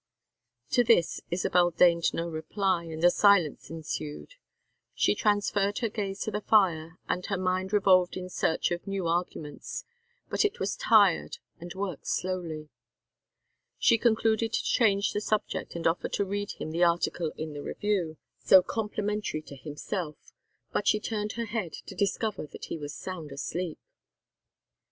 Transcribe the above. To this Isabel deigned no reply, and a silence ensued. She transferred her gaze to the fire, and her mind revolved in search of new arguments, but it was tired and worked slowly. She concluded to change the subject and offer to read him the article in the Review, so complimentary to himself; but she turned her head to discover that he was sound asleep.